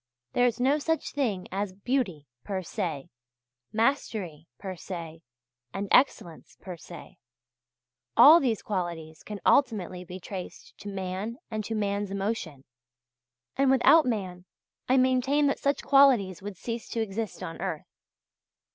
There is no such thing as beauty per se, mastery per se, and excellence per se. All these qualities can ultimately be traced to man and to man's emotion; and without man I maintain that such qualities would cease to exist on earth.